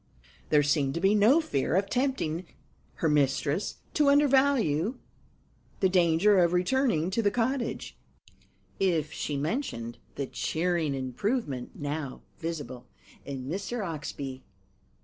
There seemed to be no fear of tempting her mistress to undervalue the danger of returning to the cottage, if she mentioned the cheering improvement now visible in Mr. Oxbye.